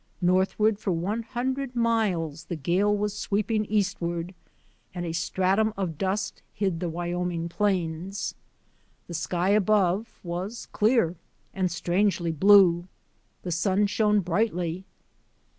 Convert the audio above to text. Northward for one hundred miles the gale was sweeping eastward, and a stratum of dust hid the Wyoming plains. The sky above was clear and strangely blue. The sun shone brightly.